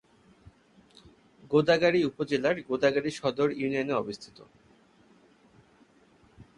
গোদাগাড়ী উপজেলার গোদাগাড়ী সদর ইউনিয়নে অবস্থিত।